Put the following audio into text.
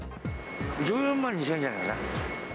１４万２０００円じゃないかな。